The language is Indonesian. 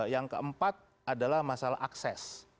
yang keempat adalah masalah akses